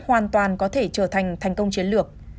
hoàn toàn có thể trở thành thành công chiến lược